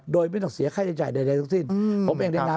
โดยไม่ต้องเสียไข้ในใจใดทั้งสิ้น